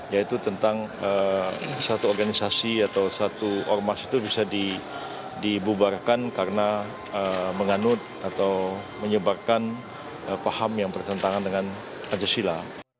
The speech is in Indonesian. yaitu tentang satu organisasi atau satu ormas itu bisa dibubarkan karena menganut atau menyebarkan paham yang bertentangan dengan pancasila